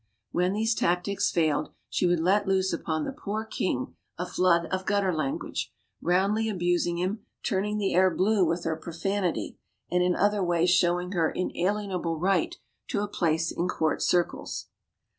When these tactics failed, she would let loose upon the poor king a flood of gutter language, roundly abusing him, turning the air blue with her profanity, and in other ways showing her inalienable right to a place in court circles.